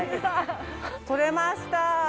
とれました。